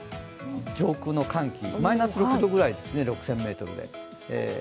上空の寒気、マイナス６度ぐらいですね、６０００ｍで。